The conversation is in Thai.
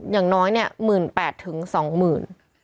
อย่างน้อยเนี่ย